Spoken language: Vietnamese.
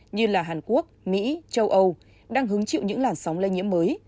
như hàn quốc mỹ châu âu đang hứng chịu những làn sóng lây nhiễm mới